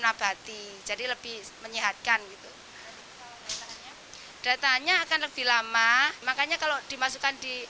nabati jadi lebih menyehatkan gitu datanya akan lebih lama makanya kalau dimasukkan di